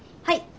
はい。